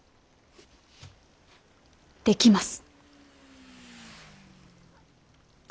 できます。